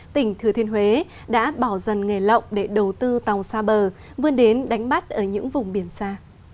tỉnh thừa thiên huế đã bỏ dần nghề lộng để đầu tư tàu xa bờ vươn đến đánh bắt ở những vùng biển xa